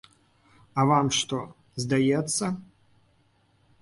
А вам што, здаецца?